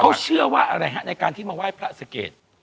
เขาเชื่อว่าอะไรฮะในการที่มาไหว้พระสเกต